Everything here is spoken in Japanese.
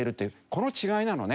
この違いなのね。